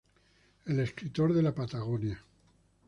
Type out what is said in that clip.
El escritor de la Patagonia